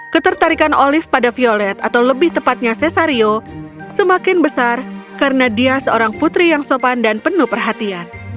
ketertarikan olive pada violet atau lebih tepatnya cesario semakin besar karena dia seorang putri yang sopan dan penuh perhatian